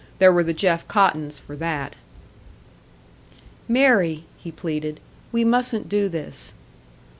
There were the Jeff Cottons for that! "Mary," he pleaded, "we mustn't do this."